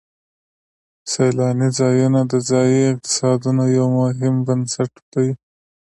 سیلاني ځایونه د ځایي اقتصادونو یو مهم بنسټ دی.